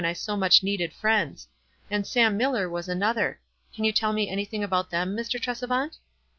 67 I so much needed friends ; and Sam Miller waa another. Can you tell me anything about them, Mr. Tresevant?"